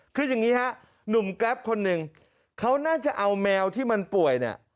คืออย่างนี้ฮะหนุ่มแกรปคนหนึ่งเขาน่าจะเอาแมวที่มันป่วยเนี่ย